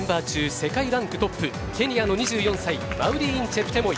世界ランクトップケニアの２４歳マウリーン・チェプケモイ。